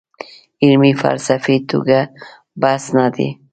علمي فلسفي توګه بحث نه دی.